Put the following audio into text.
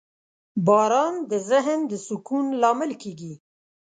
• باران د ذهن د سکون لامل کېږي.